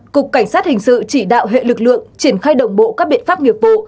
cục cảnh sát hình sự chỉ đạo hệ lực lượng triển khai đồng bộ các biện pháp nghiệp vụ